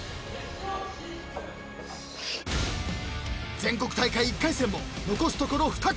［全国大会１回戦も残すところ２組。